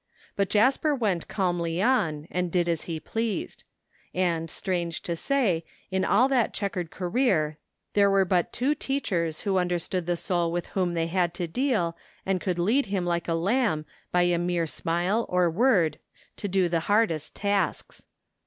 But Jasper went calmly on and did as he pleased; and strange to say in all that checkered career there were but two teachers who understood the soul with whom they had to deal, and could lead him like a lamb by a mere smile or word to do the hardest tasks.